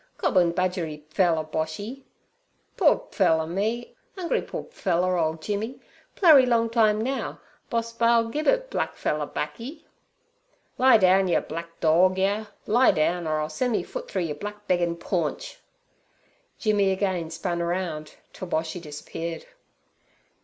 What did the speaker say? Cobbon budgeree pfeller Boshy' (whining); 'poor pfeller me, 'ungry poor pfeller ole Jimmy. Plurry long time now, Boss baal gib it black pfeller baccy.' 'Lie down, yer black dorg yer, lie down, or I'll sen' me foot through yer black beggin' paunch!' Jimmy again spun round, till Boshy disappeared.